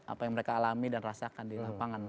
apa yang mereka alami dan rasakan di lapangan